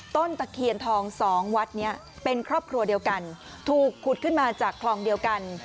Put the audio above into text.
ตะเคียนทองสองวัดนี้เป็นครอบครัวเดียวกันถูกขุดขึ้นมาจากคลองเดียวกัน